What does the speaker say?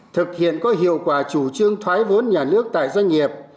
thực hiện có hiệu quả chủ trương thoái vốn nhà nước tại doanh nghiệp